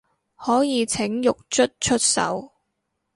可以請獄卒出手